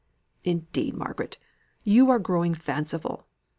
"Indeed, Margaret, you are growing fanciful!